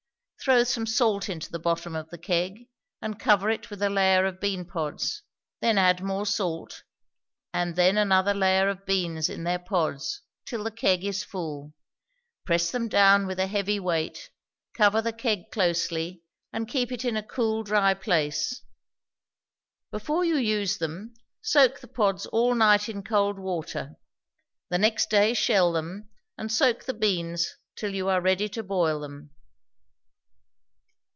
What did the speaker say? Throw some salt into the bottom of the keg, and cover it with a layer of bean pods, then add more salt, and then another layer of beans in their pods, till the keg is full. Press them down with a heavy weight, cover the keg closely, and keep it in a cool, dry place. Before you use them, soak the pods all night in cold water, the next day shell them, and soak the beans till you are ready to boil them.